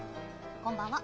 こんばんは。